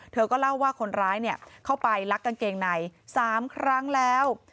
เธอก็เล่าว่าคนร้ายเข้าไปลักกางเกงใน๓ครั้งแล้ว